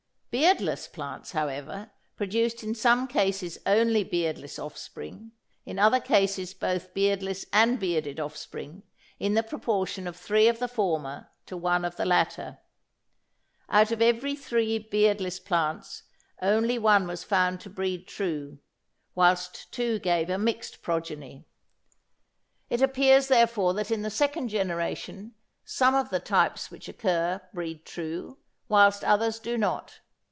Beardless plants, however, produced in some cases only beardless offspring, in other cases both beardless and bearded offspring in the proportion of three of the former to one of the latter. Out of every three beardless plants only one was found to breed true, whilst two gave a mixed progeny. It appears therefore that in the second generation some of the types which occur breed true, whilst others do not.